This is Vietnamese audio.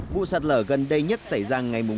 vụ sạt lở gần đây nhất xảy ra ngày bốn bảy bảy